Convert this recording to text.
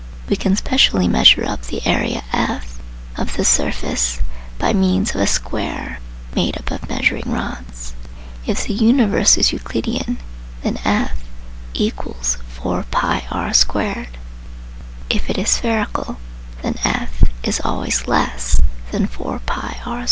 We can specially measure up the area (F) of this surface by means of a square made up of measuring rods. If the universe is Euclidean, then F = 4pR2 ; if it is spherical, then F is always less than 4pR2.